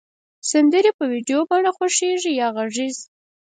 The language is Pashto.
سندری د په ویډیو بڼه خوښیږی یا غږیز